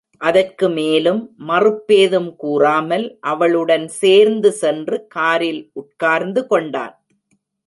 அதற்கு மேலும் மறுப்பேதும் கூறாமல் அவளுடன் சேர்ந்து சென்று காரில் உட்கார்ந்து கொண்டான்.